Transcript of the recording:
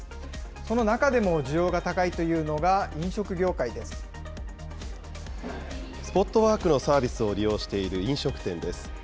この中でも需要が高いというのがスポットワークのサービスを利用している飲食店です。